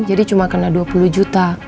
jadi cuma kena dua puluh juta